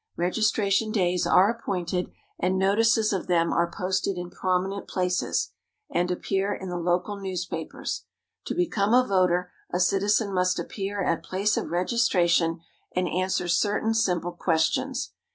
Registration days are appointed, and notices of them are posted in prominent places, and appear in the local newspapers. To become a voter, a citizen must appear at place of registration and answer certain simple questions.